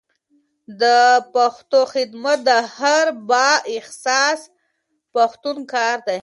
د پښتو خدمت د هر با احساسه پښتون کار دی.